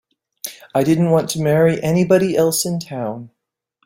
I didn't want to marry anybody else in town.